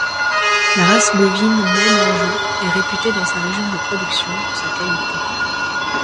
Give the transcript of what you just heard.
La race bovine maine-anjou est réputée dans sa région de production pour sa qualité.